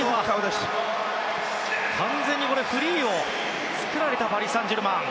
完全にフリーを作られたパリ・サンジェルマン。